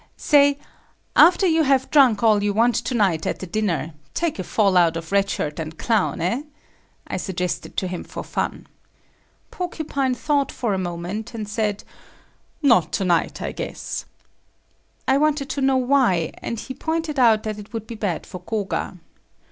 "Say, after you have drunk all you want to night at the dinner, take a fall out of Red Shirt and Clown, eh?" I suggested to him for fun. Porcupine thought for a moment and said, "Not to night, I guess." I wanted to know why, and he pointed out that it would be bad for Koga.